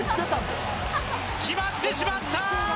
決まってしまったー！